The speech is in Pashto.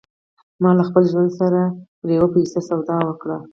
ما له خپل ژوند سره پر يوه پيسه سودا وکړه.